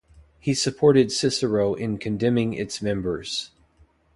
He supported Cicero in condemning its members.